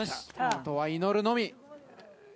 あとは祈るのみ！